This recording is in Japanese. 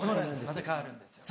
また変わるんですよ。